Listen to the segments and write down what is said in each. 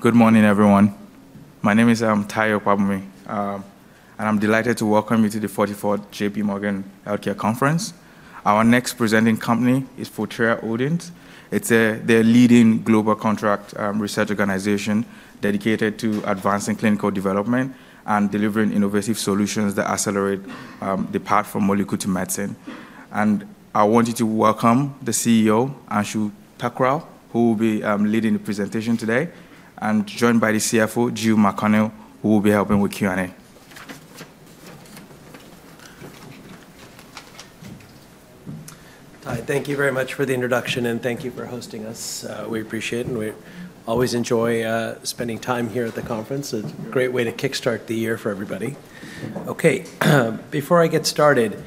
Good morning, everyone. My name is Tayo Fabanwo, and I'm delighted to welcome you to the 44th J.P. Morgan Healthcare Conference. Our next presenting company is Fortrea Holdings. It's their leading global contract research organization dedicated to advancing clinical development and delivering innovative solutions that Xcellerate the path from molecular to medicine, and I wanted to welcome the CEO, Anshul Thakral, who will be leading the presentation today, and joined by the CFO, Jill McConnell, who will be helping with Q&A. Thank you very much for the introduction, and thank you for hosting us. We appreciate it, and we always enjoy spending time here at the conference. It's a great way to kickstart the year for everybody. Okay, before I get started,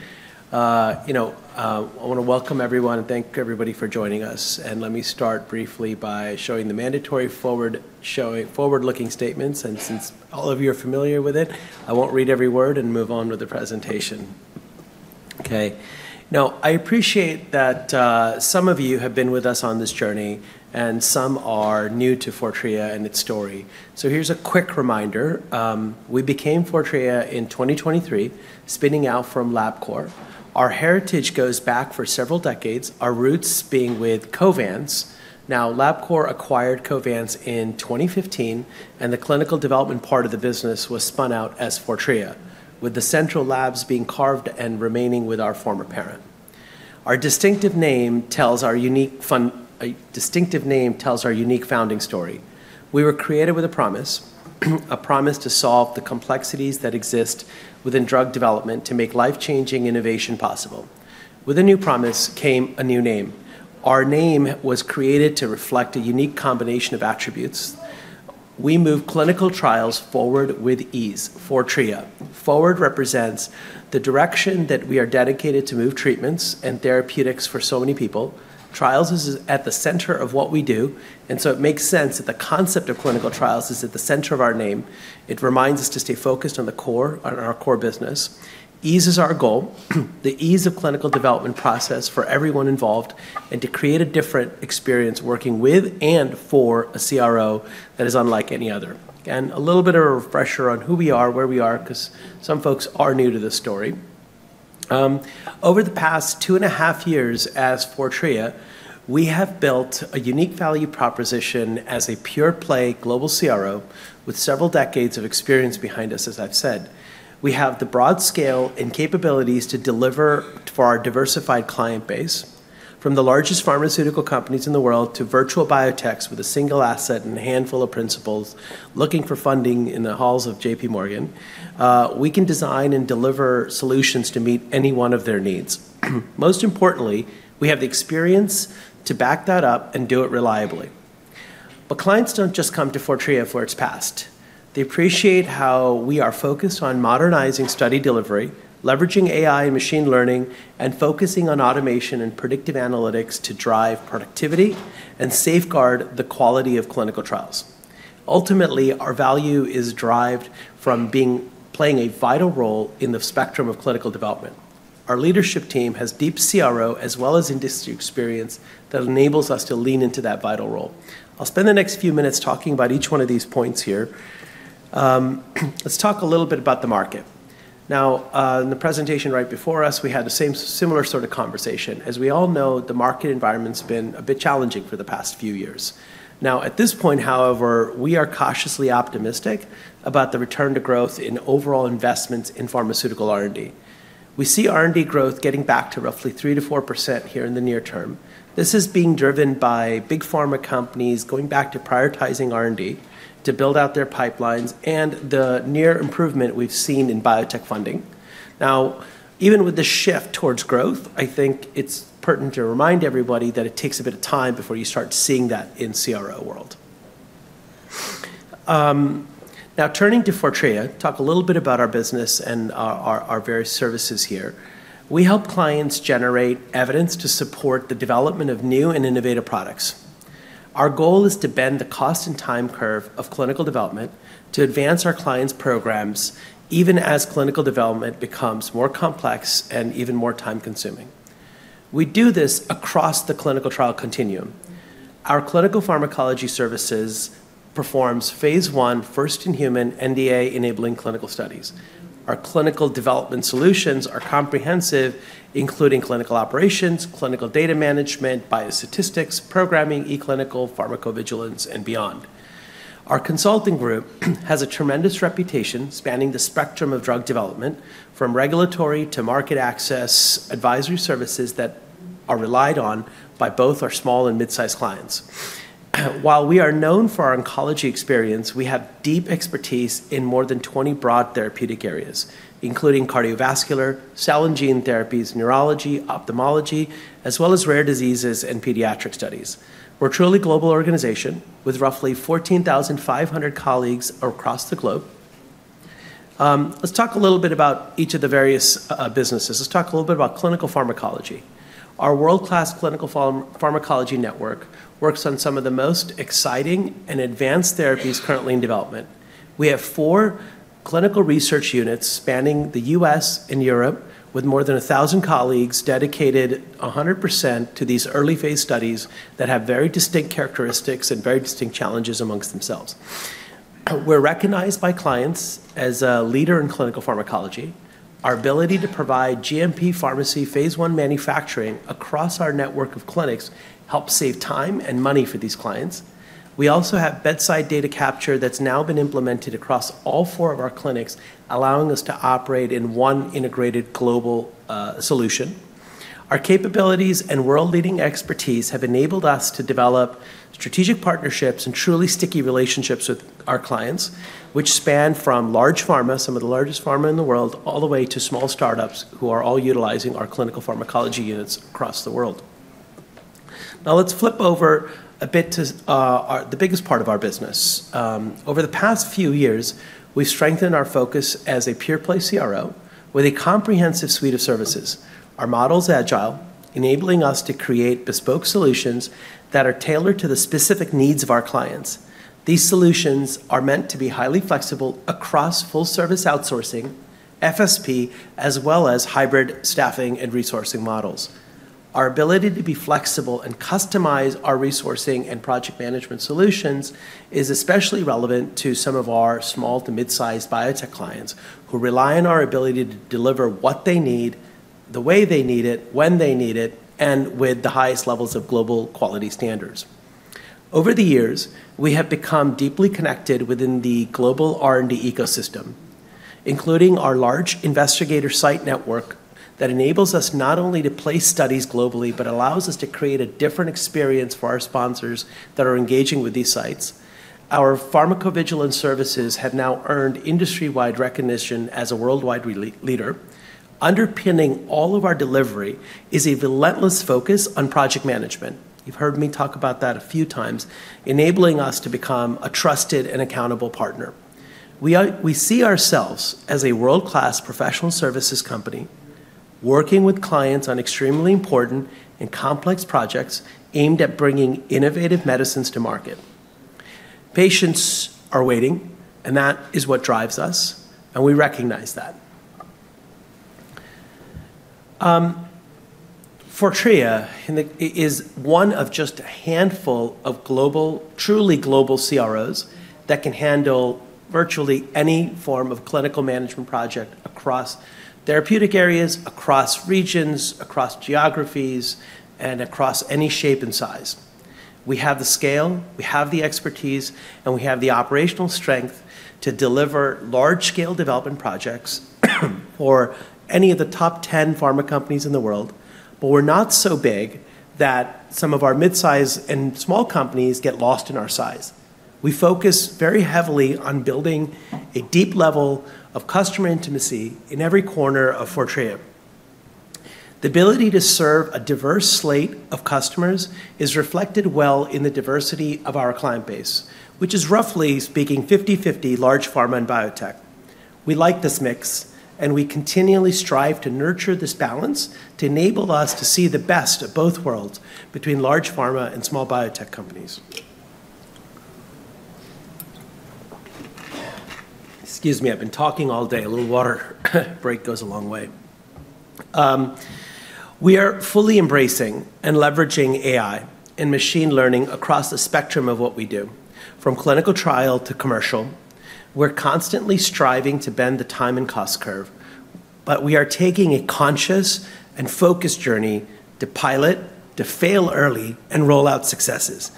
you know, I want to welcome everyone and thank everybody for joining us. And let me start briefly by showing the mandatory forward-looking statements. And since all of you are familiar with it, I won't read every word and move on with the presentation. Okay, now, I appreciate that some of you have been with us on this journey, and some are new to Fortrea and its story. So here's a quick reminder. We became Fortrea in 2023, spinning out from Labcorp. Our heritage goes back for several decades, our roots being with Covance. Now, Labcorp acquired Covance in 2015, and the clinical development part of the business was spun out as Fortrea, with the central labs being carved and remaining with our former parent. Our distinctive name tells our unique founding story. We were created with a promise, a promise to solve the complexities that exist within drug development to make life-changing innovation possible. With a new promise came a new name. Our name was created to reflect a unique combination of attributes. We move clinical trials forward with ease. Fortrea forward represents the direction that we are dedicated to move treatments and therapeutics for so many people. Trials is at the center of what we do, and so it makes sense that the concept of clinical trials is at the center of our name. It reminds us to stay focused on the core, on our core business. Ease is our goal, the ease of clinical development process for everyone involved, and to create a different experience working with and for a CRO that is unlike any other. And a little bit of a refresher on who we are, where we are, because some folks are new to this story. Over the past two and a half years as Fortrea, we have built a unique value proposition as a pure-play global CRO with several decades of experience behind us, as I've said. We have the broad scale and capabilities to deliver for our diversified client base. From the largest pharmaceutical companies in the world to virtual biotechs with a single asset and a handful of principals looking for funding in the halls of J.P. Morgan, we can design and deliver solutions to meet any one of their needs. Most importantly, we have the experience to back that up and do it reliably. But clients don't just come to Fortrea for its past. They appreciate how we are focused on modernizing study delivery, leveraging AI and machine learning, and focusing on automation and predictive analytics to drive productivity and safeguard the quality of clinical trials. Ultimately, our value is derived from playing a vital role in the spectrum of clinical development. Our leadership team has deep CRO as well as industry experience that enables us to lean into that vital role. I'll spend the next few minutes talking about each one of these points here. Let's talk a little bit about the market. Now, in the presentation right before us, we had the same similar sort of conversation. As we all know, the market environment has been a bit challenging for the past few years. Now, at this point, however, we are cautiously optimistic about the return to growth in overall investments in pharmaceutical R&D. We see R&D growth getting back to roughly 3%-4% here in the near term. This is being driven by big pharma companies going back to prioritizing R&D to build out their pipelines and the near improvement we've seen in biotech funding. Now, even with the shift towards growth, I think it's pertinent to remind everybody that it takes a bit of time before you start seeing that in the CRO world. Now, turning to Fortrea, talk a little bit about our business and our various services here. We help clients generate evidence to support the development of new and innovative products. Our goal is to bend the cost and time curve of clinical development to advance our clients' programs even as clinical development becomes more complex and even more time-consuming. We do this across the clinical trial continuum. Our clinical pharmacology services perform Phase I, first in human NDA-enabling clinical studies. Our clinical development solutions are comprehensive, including clinical operations, clinical data management, biostatistics, programming, e-clinical, pharmacovigilance, and beyond. Our consulting group has a tremendous reputation spanning the spectrum of drug development from regulatory to market access advisory services that are relied on by both our small and mid-sized clients. While we are known for our oncology experience, we have deep expertise in more than 20 broad therapeutic areas, including cardiovascular, cell and gene therapies, neurology, ophthalmology, as well as rare diseases and pediatric studies. We're a truly global organization with roughly 14,500 colleagues across the globe. Let's talk a little bit about each of the various businesses. Let's talk a little bit about clinical pharmacology. Our world-class clinical pharmacology network works on some of the most exciting and advanced therapies currently in development. We have four clinical research units spanning the U.S. and Europe with more than 1,000 colleagues dedicated 100% to these early phase studies that have very distinct characteristics and very distinct challenges among themselves. We're recognized by clients as a leader in clinical pharmacology. Our ability to provide GMP pharmacy phase I manufacturing across our network of clinics helps save time and money for these clients. We also have bedside data capture that's now been implemented across all four of our clinics, allowing us to operate in one integrated global solution. Our capabilities and world-leading expertise have enabled us to develop strategic partnerships and truly sticky relationships with our clients, which span from large pharma, some of the largest pharma in the world, all the way to small startups who are all utilizing our clinical pharmacology units across the world. Now, let's flip over a bit to the biggest part of our business. Over the past few years, we've strengthened our focus as a pure-play CRO with a comprehensive suite of services. Our model is agile, enabling us to create bespoke solutions that are tailored to the specific needs of our clients. These solutions are meant to be highly flexible across full-service outsourcing, FSP, as well as hybrid staffing and resourcing models. Our ability to be flexible and customize our resourcing and project management solutions is especially relevant to some of our small to mid-sized biotech clients who rely on our ability to deliver what they need, the way they need it, when they need it, and with the highest levels of global quality standards. Over the years, we have become deeply connected within the global R&D ecosystem, including our large investigator site network that enables us not only to place studies globally, but allows us to create a different experience for our sponsors that are engaging with these sites. Our pharmacovigilance services have now earned industry-wide recognition as a worldwide leader. Underpinning all of our delivery is a relentless focus on project management. You've heard me talk about that a few times, enabling us to become a trusted and accountable partner. We see ourselves as a world-class professional services company working with clients on extremely important and complex projects aimed at bringing innovative medicines to market. Patients are waiting, and that is what drives us, and we recognize that. Fortrea is one of just a handful of truly global CROs that can handle virtually any form of clinical management project across therapeutic areas, across regions, across geographies, and across any shape and size. We have the scale, we have the expertise, and we have the operational strength to deliver large-scale development projects for any of the top 10 pharma companies in the world, but we're not so big that some of our mid-sized and small companies get lost in our size. We focus very heavily on building a deep level of customer intimacy in every corner of Fortrea. The ability to serve a diverse slate of customers is reflected well in the diversity of our client base, which is roughly speaking 50/50 large pharma and biotech. We like this mix, and we continually strive to nurture this balance to enable us to see the best of both worlds between large pharma and small biotech companies. Excuse me, I've been talking all day. A little water break goes a long way. We are fully embracing and leveraging AI and machine learning across the spectrum of what we do, from clinical trial to commercial. We're constantly striving to bend the time and cost curve, but we are taking a conscious and focused journey to pilot, to fail early, and roll out successes.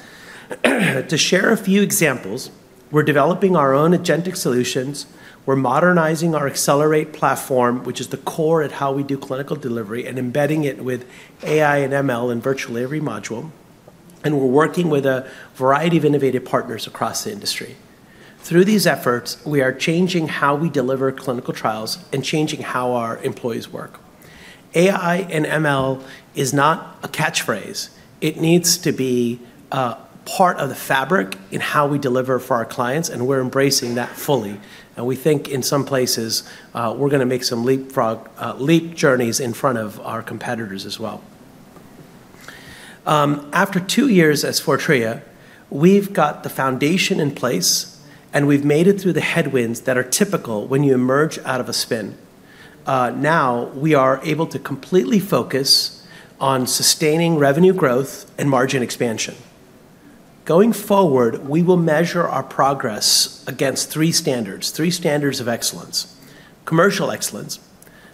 To share a few examples, we're developing our own agentic solutions. We're modernizing our Accelerate platform, which is the core at how we do clinical delivery, and embedding it with AI and ML in virtually every module, and we're working with a variety of innovative partners across the industry. Through these efforts, we are changing how we deliver clinical trials and changing how our employees work. AI and ML is not a catchphrase. It needs to be part of the fabric in how we deliver for our clients, and we're embracing that fully. We think in some places we're going to make some leapfrog journeys in front of our competitors as well. After two years as Fortrea, we've got the foundation in place, and we've made it through the headwinds that are typical when you emerge out of a spin. Now, we are able to completely focus on sustaining revenue growth and margin expansion. Going forward, we will measure our progress against three standards, three standards of excellence: commercial excellence,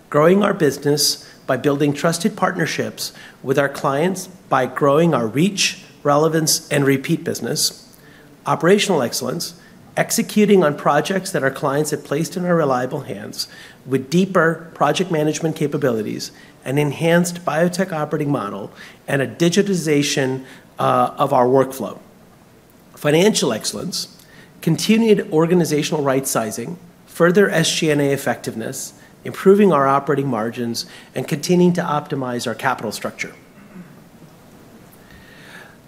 growing our business by building trusted partnerships with our clients, by growing our reach, relevance, and repeat business. Operational excellence, executing on projects that our clients have placed in our reliable hands with deeper project management capabilities and enhanced biotech operating model and a digitization of our workflow. Financial excellence, continued organizational right-sizing, further SG&A effectiveness, improving our operating margins, and continuing to optimize our capital structure.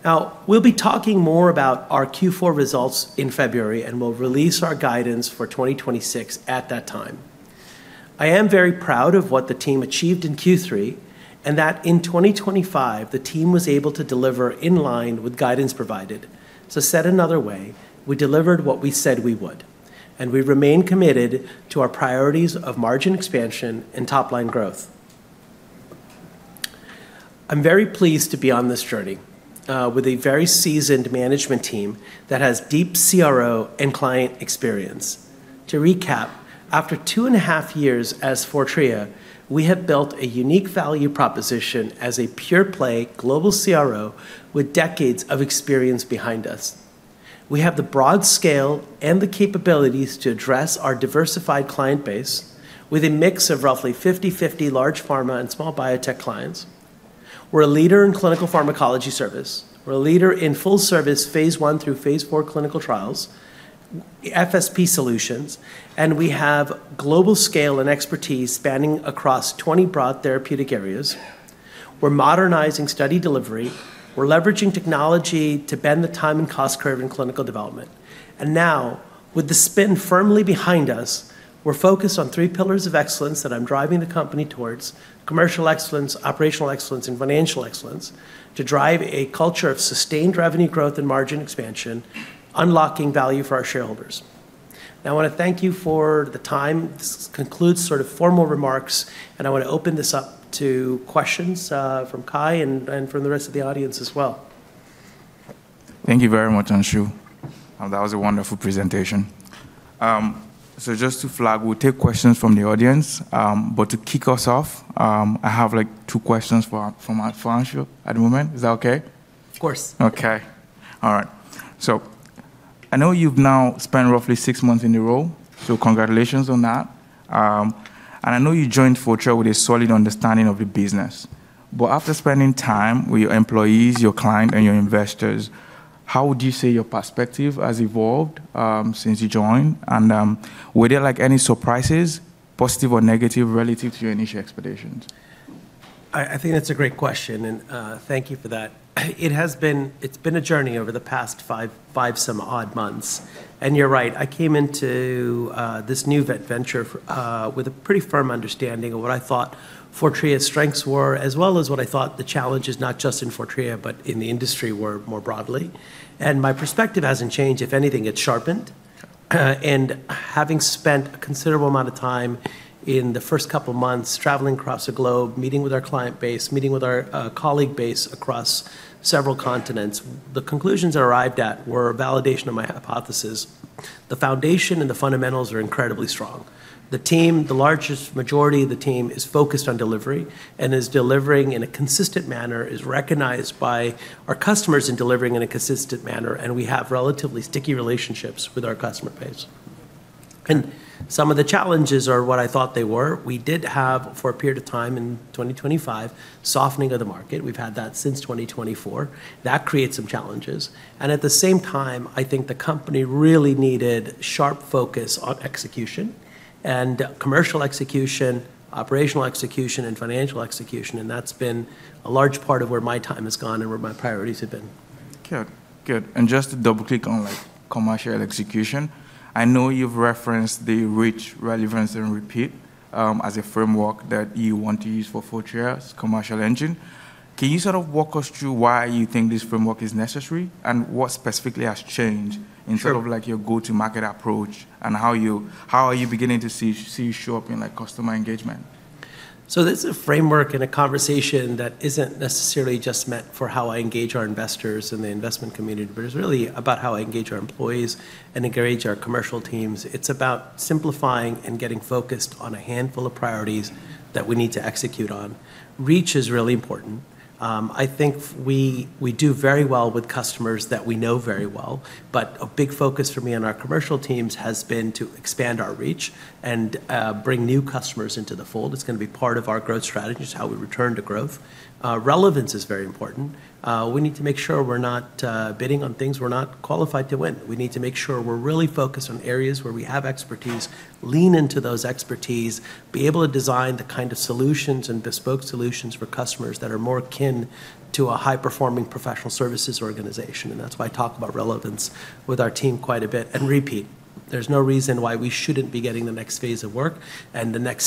Now, we'll be talking more about our Q4 results in February, and we'll release our guidance for 2026 at that time. I am very proud of what the team achieved in Q3 and that in 2025, the team was able to deliver in line with guidance provided. So said another way, we delivered what we said we would, and we remain committed to our priorities of margin expansion and top-line growth. I'm very pleased to be on this journey with a very seasoned management team that has deep CRO and client experience. To recap, after two and a half years as Fortrea, we have built a unique value proposition as a pure-play global CRO with decades of experience behind us. We have the broad scale and the capabilities to address our diversified client base with a mix of roughly 50/50 large pharma and small biotech clients. We're a leader in clinical pharmacology service. We're a leader in full-service Phase I through Phase IV clinical trials, FSP solutions, and we have global scale and expertise spanning across 20 broad therapeutic areas. We're modernizing study delivery. We're leveraging technology to bend the time and cost curve in clinical development. And now, with the spin firmly behind us, we're focused on three pillars of excellence that I'm driving the company towards: commercial excellence, operational excellence, and financial excellence to drive a culture of sustained revenue growth and margin expansion, unlocking value for our shareholders. Now, I want to thank you for the time. This concludes sort of formal remarks, and I want to open this up to questions from Kai and from the rest of the audience as well. Thank you very much, Anshul. That was a wonderful presentation. So just to flag, we'll take questions from the audience, but to kick us off, I have two questions from Anshul at the moment. Is that okay? Of course. Okay. All right. So I know you've now spent roughly six months in the role, so congratulations on that. And I know you joined Fortrea with a solid understanding of the business, but after spending time with your employees, your clients, and your investors, how would you say your perspective has evolved since you joined? And were there any surprises, positive or negative, relative to your initial expectations? I think that's a great question, and thank you for that. It has been a journey over the past five or so months. And you're right. I came into this new venture with a pretty firm understanding of what I thought Fortrea's strengths were, as well as what I thought the challenges not just in Fortrea, but in the industry were more broadly. And my perspective hasn't changed. If anything, it's sharpened. Having spent a considerable amount of time in the first couple of months traveling across the globe, meeting with our client base, meeting with our colleague base across several continents, the conclusions I arrived at were a validation of my hypothesis. The foundation and the fundamentals are incredibly strong. The team, the largest majority of the team, is focused on delivery and is delivering in a consistent manner, is recognized by our customers in delivering in a consistent manner, and we have relatively sticky relationships with our customer base. Some of the challenges are what I thought they were. We did have, for a period of time in 2025, softening of the market. We've had that since 2024. That creates some challenges. At the same time, I think the company really needed sharp focus on execution and commercial execution, operational execution, and financial execution. That's been a large part of where my time has gone and where my priorities have been. Good. Good. Just to double-click on commercial execution, I know you've referenced the reach, relevance, and repeat as a framework that you want to use for Fortrea's commercial engine. Can you sort of walk us through why you think this framework is necessary and what specifically has changed in sort of your go-to-market approach and how are you beginning to see it show up in customer engagement? This is a framework and a conversation that isn't necessarily just meant for how I engage our investors and the investment community, but it's really about how I engage our employees and engage our commercial teams. It's about simplifying and getting focused on a handful of priorities that we need to execute on. Reach is really important. I think we do very well with customers that we know very well, but a big focus for me on our commercial teams has been to expand our reach and bring new customers into the fold. It's going to be part of our growth strategy, how we return to growth. Relevance is very important. We need to make sure we're not bidding on things we're not qualified to win. We need to make sure we're really focused on areas where we have expertise, lean into those expertise, be able to design the kind of solutions and bespoke solutions for customers that are more akin to a high-performing professional services organization, and that's why I talk about relevance with our team quite a bit. And repeat, there's no reason why we shouldn't be getting the next phase of work and the next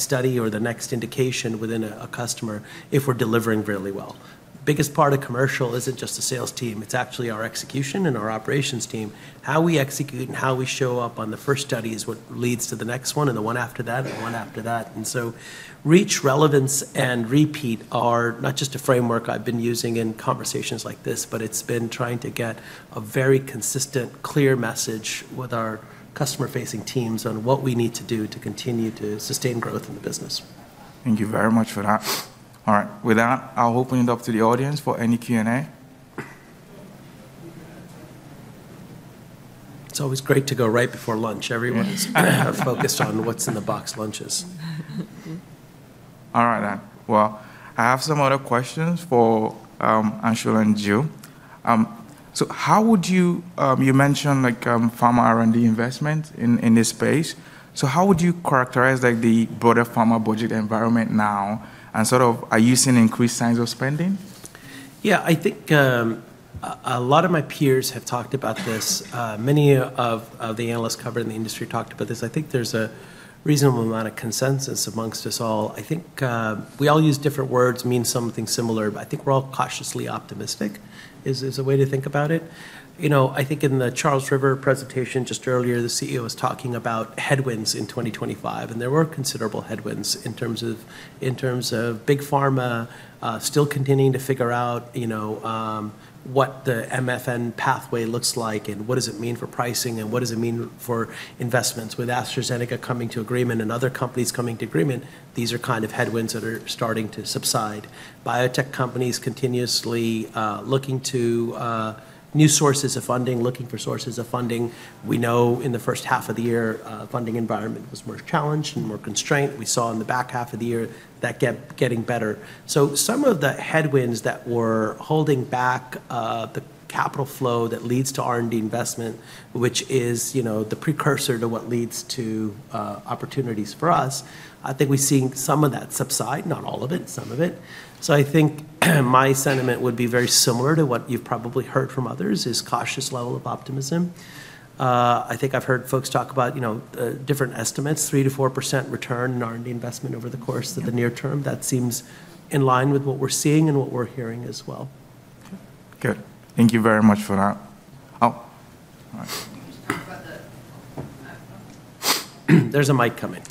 study or the next indication within a customer if we're delivering really well. The biggest part of commercial isn't just the sales team. It's actually our execution and our operations team. How we execute and how we show up on the first study is what leads to the next one and the one after that and the one after that. And so reach, relevance, and repeat are not just a framework I've been using in conversations like this, but it's been trying to get a very consistent, clear message with our customer-facing teams on what we need to do to continue to sustain growth in the business. Thank you very much for that. All right. With that, I'll open it up to the audience for any Q&A. It's always great to go right before lunch. Everyone's focused on what's in the box lunches. All right then. Well, I have some other questions for Anshul and Jill. So, you mentioned pharma R&D investment in this space. So how would you characterize the broader pharma budget environment now, and sort of are you seeing increased signs of spending? Yeah, I think a lot of my peers have talked about this. Many of the analysts covered in the industry talked about this. I think there's a reasonable amount of consensus amongst us all. I think we all use different words, mean something similar, but I think we're all cautiously optimistic is a way to think about it. I think in the Charles River presentation just earlier, the CEO was talking about headwinds in 2025, and there were considerable headwinds in terms of big pharma still continuing to figure out what the MFP pathway looks like and what does it mean for pricing and what does it mean for investments. With AstraZeneca coming to agreement and other companies coming to agreement, these are kind of headwinds that are starting to subside. Biotech companies continuously looking to new sources of funding, looking for sources of funding. We know in the first half of the year, funding environment was more challenged and more constrained. We saw in the back half of the year that getting better. So some of the headwinds that were holding back the capital flow that leads to R&D investment, which is the precursor to what leads to opportunities for us, I think we're seeing some of that subside, not all of it, some of it. So I think my sentiment would be very similar to what you've probably heard from others, is cautious level of optimism. I think I've heard folks talk about different estimates, 3% to 4% return in R&D investment over the course of the near term. That seems in line with what we're seeing and what we're hearing as well. Good. Thank you very much for that. There's a mic coming.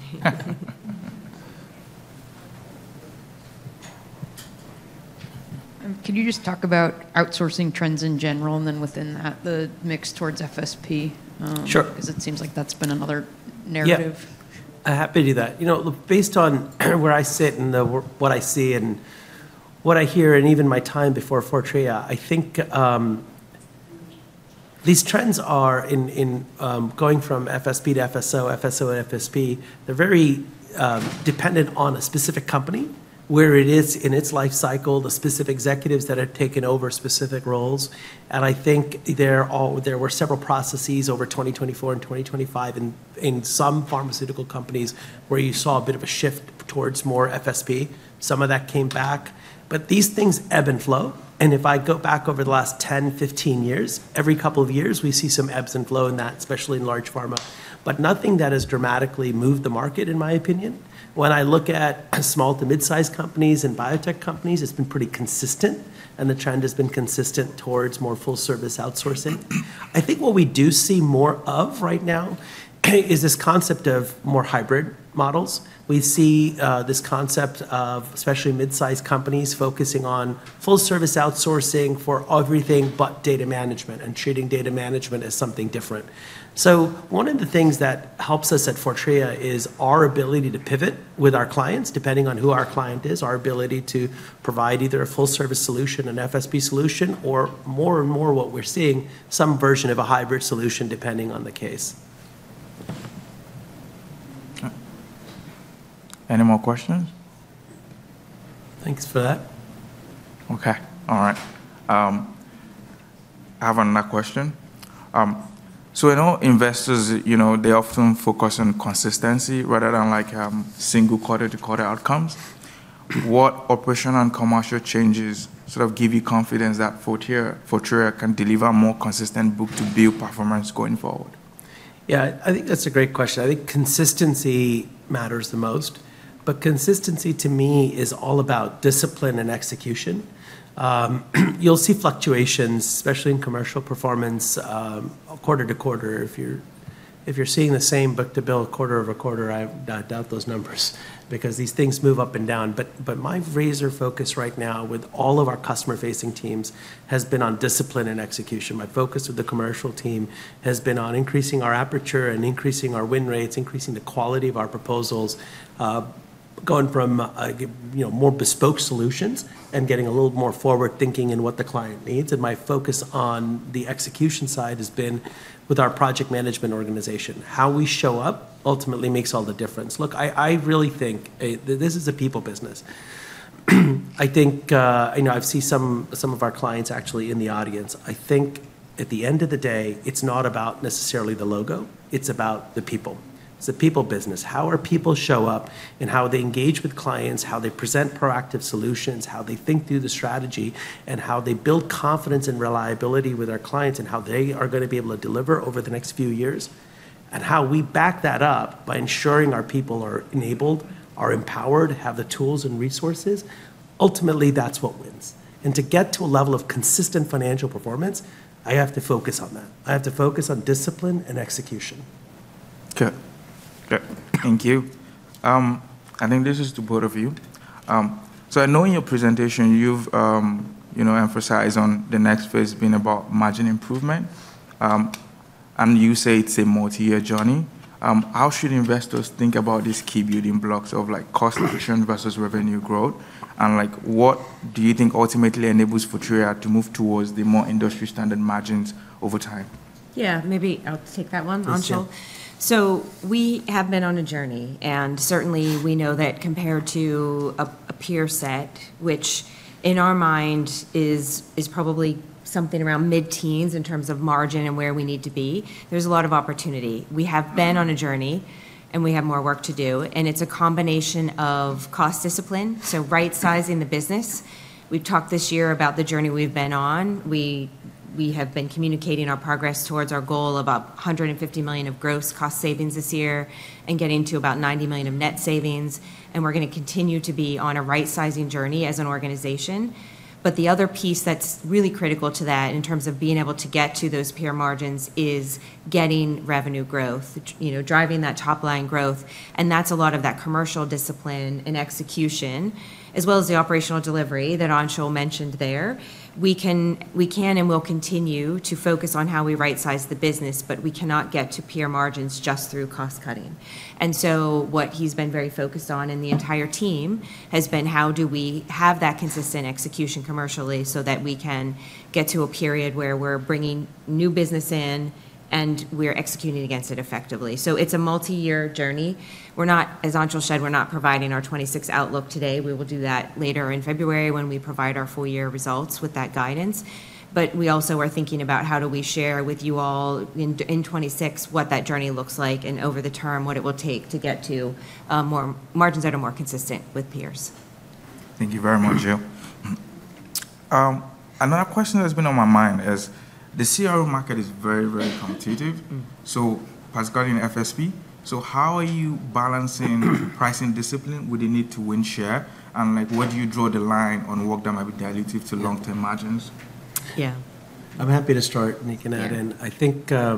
Can you just talk about outsourcing trends in general and then within that, the mix towards FSP? Sure. Because it seems like that's been another narrative. Yeah. I'm happy to do that. Based on where I sit and what I see and what I hear and even my time before Fortrea, I think these trends are in going from FSP to FSO, FSO to FSP. They're very dependent on a specific company, where it is in its life cycle, the specific executives that have taken over specific roles. And I think there were several processes over 2024 and 2025 in some pharmaceutical companies where you saw a bit of a shift towards more FSP. Some of that came back, but these things ebb and flow. And if I go back over the last 10, 15 years, every couple of years, we see some ebbs and flows in that, especially in large pharma, but nothing that has dramatically moved the market, in my opinion. When I look at small to mid-sized companies and biotech companies, it's been pretty consistent, and the trend has been consistent towards more full-service outsourcing. I think what we do see more of right now is this concept of more hybrid models. We see this concept of, especially mid-sized companies, focusing on full-service outsourcing for everything but data management and treating data management as something different. So one of the things that helps us at Fortrea is our ability to pivot with our clients, depending on who our client is, our ability to provide either a full-service solution, an FSP solution, or more and more what we're seeing, some version of a hybrid solution, depending on the case. Any more questions? Thanks for that. Okay. All right. I have another question. So I know investors, they often focus on consistency rather than single quarter-to-quarter outcomes. What operational and commercial changes sort of give you confidence that Fortrea can deliver more consistent book-to-bill performance going forward? Yeah, I think that's a great question. I think consistency matters the most, but consistency, to me, is all about discipline and execution. You'll see fluctuations, especially in commercial performance, quarter-to-quarter. If you're seeing the same book-to-bill quarter-over-quarter, I doubt those numbers because these things move up and down, but my razor focus right now with all of our customer-facing teams has been on discipline and execution. My focus with the commercial team has been on increasing our aperture and increasing our win rates, increasing the quality of our proposals, going from more bespoke solutions and getting a little more forward-thinking in what the client needs, and my focus on the execution side has been with our project management organization. How we show up ultimately makes all the difference. Look, I really think this is a people business. I think I see some of our clients actually in the audience. I think at the end of the day, it's not about necessarily the logo. It's about the people. It's a people business. How our people show up and how they engage with clients, how they present proactive solutions, how they think through the strategy, and how they build confidence and reliability with our clients, and how they are going to be able to deliver over the next few years, and how we back that up by ensuring our people are enabled, are empowered, have the tools and resources, ultimately, that's what wins. And to get to a level of consistent financial performance, I have to focus on that. I have to focus on discipline and execution. Okay. Good. Thank you. I think this is to both of you. I know in your presentation, you've emphasized on the next phase being about margin improvement. And you say it's a multi-year journey. How should investors think about these key building blocks of cost-efficient versus revenue growth? And what do you think ultimately enables Fortrea to move towards the more industry-standard margins over time? Yeah, maybe I'll take that one, Anshul. We have been on a journey, and certainly, we know that compared to a peer set, which in our mind is probably something around mid-teens in terms of margin and where we need to be, there's a lot of opportunity. We have been on a journey, and we have more work to do. And it's a combination of cost discipline, so right-sizing the business. We've talked this year about the journey we've been on. We have been communicating our progress towards our goal of about $150 million of gross cost savings this year and getting to about $90 million of net savings. And we're going to continue to be on a right-sizing journey as an organization. But the other piece that's really critical to that in terms of being able to get to those peer margins is getting revenue growth, driving that top-line growth. And that's a lot of that commercial discipline and execution, as well as the operational delivery that Anshul mentioned there. We can and will continue to focus on how we right-size the business, but we cannot get to peer margins just through cost cutting. And so what he's been very focused on and the entire team has been how do we have that consistent execution commercially so that we can get to a period where we're bringing new business in and we're executing against it effectively. So it's a multi-year journey. As Anshul said, we're not providing our 2026 outlook today. We will do that later in February when we provide our full-year results with that guidance. But we also are thinking about how do we share with you all in 2026 what that journey looks like and over the term what it will take to get to margins that are more consistent with peers. Thank you very much, Jill. Another question that's been on my mind is the CRO market is very, very competitive, so particularly in FSP. So how are you balancing pricing discipline with the need to win share? And where do you draw the line on what that might be diluted to long-term margins? Yeah. I'm happy to start making that. And I think I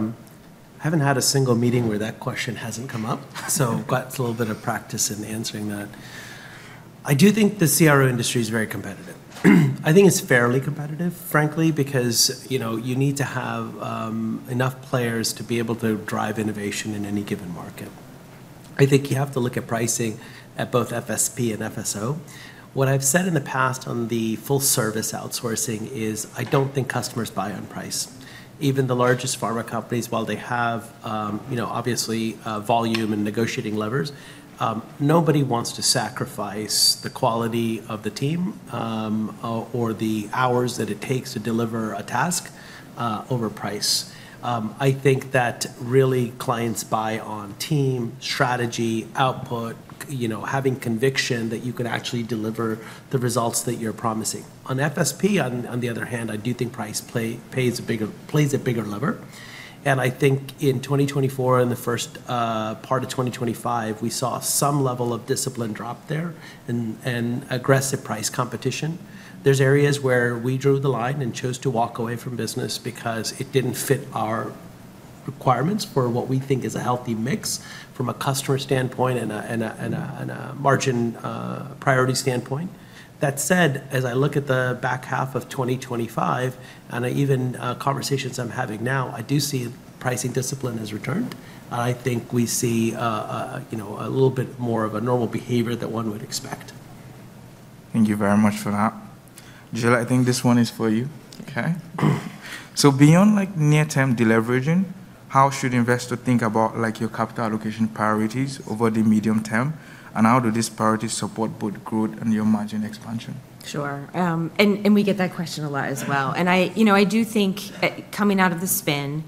haven't had a single meeting where that question hasn't come up, so I've got a little bit of practice in answering that. I do think the CRO industry is very competitive. I think it's fairly competitive, frankly, because you need to have enough players to be able to drive innovation in any given market. I think you have to look at pricing at both FSP and FSO. What I've said in the past on the full-service outsourcing is I don't think customers buy on price. Even the largest pharma companies, while they have obviously volume and negotiating levers, nobody wants to sacrifice the quality of the team or the hours that it takes to deliver a task over price. I think that really clients buy on team, strategy, output, having conviction that you can actually deliver the results that you're promising. On FSP, on the other hand, I do think price plays a bigger lever, and I think in 2024 and the first part of 2025, we saw some level of discipline drop there and aggressive price competition. There's areas where we drew the line and chose to walk away from business because it didn't fit our requirements for what we think is a healthy mix from a customer standpoint and a margin priority standpoint. That said, as I look at the back half of 2025 and even conversations I'm having now, I do see pricing discipline has returned. I think we see a little bit more of a normal behavior that one would expect. Thank you very much for that. Jill, I think this one is for you. Okay. So beyond near-term delivery, how should investors think about your capital allocation priorities over the medium term? And how do these priorities support both growth and your margin expansion? Sure. And we get that question a lot as well. And I do think coming out of the spin,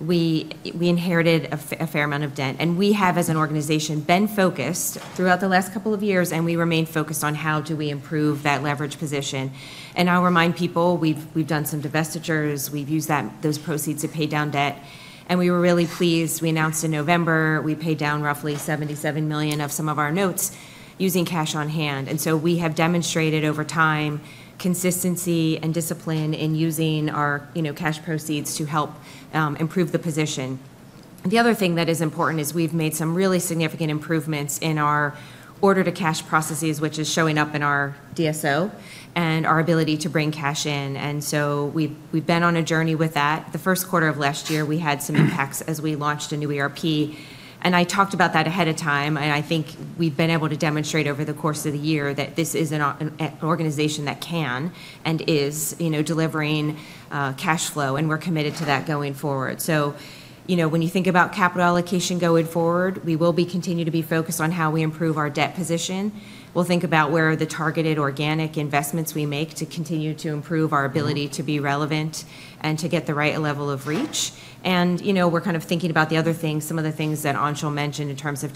we inherited a fair amount of debt. And we have, as an organization, been focused throughout the last couple of years, and we remain focused on how do we improve that leverage position. And I'll remind people, we've done some divestitures. We've used those proceeds to pay down debt. And we were really pleased. We announced in November, we paid down roughly $77 million of some of our notes using cash on hand. And so we have demonstrated over time consistency and discipline in using our cash proceeds to help improve the position. The other thing that is important is we've made some really significant improvements in our order-to-cash processes, which is showing up in our DSO and our ability to bring cash in, and so we've been on a journey with that. The first quarter of last year, we had some impacts as we launched a new ERP, and I talked about that ahead of time, and I think we've been able to demonstrate over the course of the year that this is an organization that can and is delivering cash flow, and we're committed to that going forward, so when you think about capital allocation going forward, we will continue to be focused on how we improve our debt position. We'll think about where the targeted organic investments we make to continue to improve our ability to be relevant and to get the right level of reach. And we're kind of thinking about the other things, some of the things that Anshul mentioned in terms of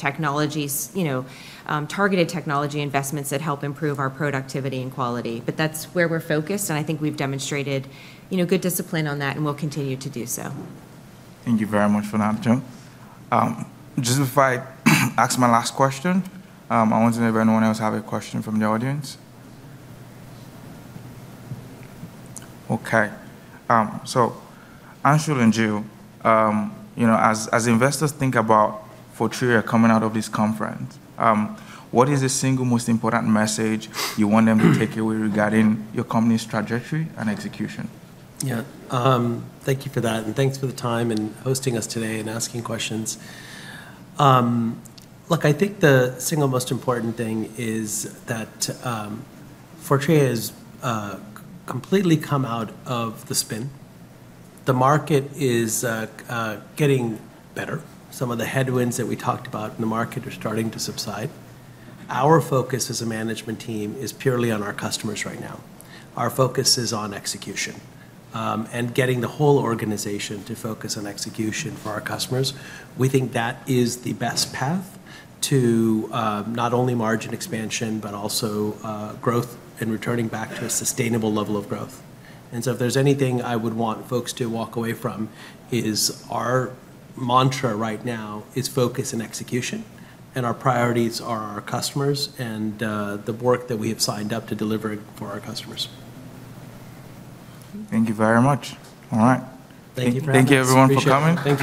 targeted technology investments that help improve our productivity and quality. But that's where we're focused. And I think we've demonstrated good discipline on that, and we'll continue to do so. Thank you very much for that, Jill. Just before I ask my last question, I want to know if anyone else has a question from the audience. Okay. So Anshul and Jill, as investors think about Fortrea coming out of this conference, what is the single most important message you want them to take away regarding your company's trajectory and execution? Yeah. Thank you for that. And thanks for the time and hosting us today and asking questions. Look, I think the single most important thing is that Fortrea has completely come out of the spin. The market is getting better. Some of the headwinds that we talked about in the market are starting to subside. Our focus as a management team is purely on our customers right now. Our focus is on execution and getting the whole organization to focus on execution for our customers. We think that is the best path to not only margin expansion, but also growth and returning back to a sustainable level of growth. And so if there's anything I would want folks to walk away from, our mantra right now is focus and execution, and our priorities are our customers and the work that we have signed up to deliver for our customers. Thank you very much. All right. Thank you very much. Thank you, everyone, for coming.